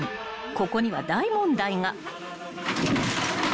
［ここには大問題が］